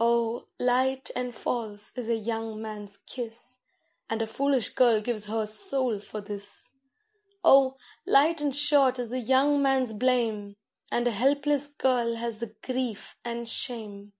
Oh! light and false is a young man's kiss, And a foolish girl gives her soul for this. Oh! light and short is the young man's blame, And a helpless girl has the grief and shame.